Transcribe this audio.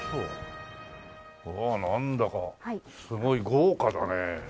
わあなんだかすごい豪華だね。